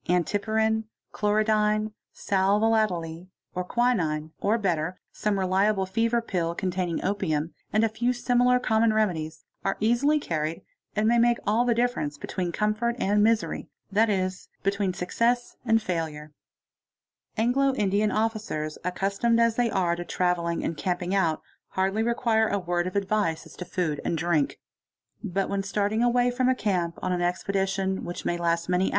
Antipyrin, chlorodyne, sal volatile, and quinine, or better some reliable fever pill containing opium, and a few similar common remedies, are easily carried and may make all the difference between comfort and misery, that is, between success and failure. Anglo Indian officers accustomed as they are to travelling and rr 15a RD APL ARON) A ON oa See! camping out hardly require a word of advice as to food and drink. But vhen starting away from a camp on an expedition which may last many 7 ° NAAN = LARD!